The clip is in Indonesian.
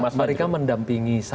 enggak mereka mendampingi saya